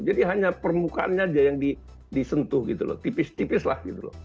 jadi hanya permukaannya aja yang disentuh gitu loh tipis tipislah gitu loh